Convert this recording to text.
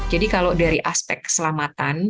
jadi kalau dari aspek keselamatan